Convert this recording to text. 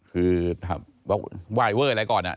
คือว่ายเวอร์อะไรก่อนนะ